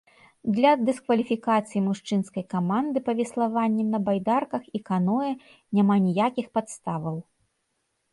Для дыскваліфікацыі мужчынскай каманды па веславанні на байдарках і каноэ няма ніякіх падставаў.